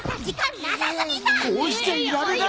こうしちゃいられない！